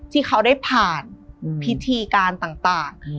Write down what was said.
ที่เขาได้ผ่านพิธีการต่าง